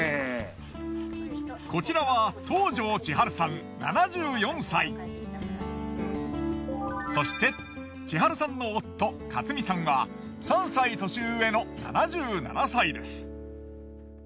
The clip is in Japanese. こちらはそして千春さんの夫勝美さんは３歳年上の７７歳です。